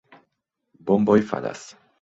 Bomboj falas.